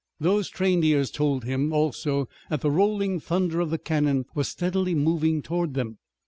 Those trained ears told him also that the rolling thunder of the cannon was steadily moving toward them.